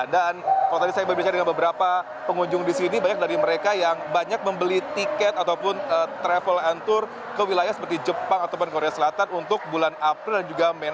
dan kalau tadi saya berbicara dengan beberapa pengunjung di sini banyak dari mereka yang banyak membeli tiket ataupun travel and tour ke wilayah seperti jepang ataupun korea selatan untuk bulan april dan juga mei